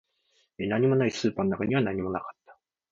何もない、スーパーの中には何もなかった